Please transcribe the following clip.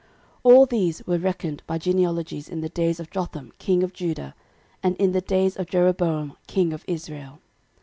13:005:017 All these were reckoned by genealogies in the days of Jotham king of Judah, and in the days of Jeroboam king of Israel.